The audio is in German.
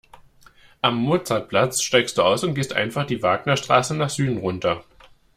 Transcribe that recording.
Am Mozartplatz steigst du aus und gehst einfach die Wagnerstraße nach Süden runter.